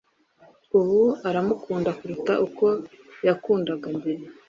Ubu aramukunda kuruta uko yakundaga mbere.